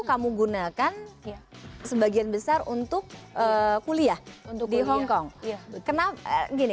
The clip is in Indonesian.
kamu gunakan sebagian besar untuk kuliah di hongkong